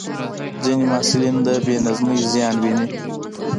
ځینې محصلین د بې نظمۍ زیان ویني.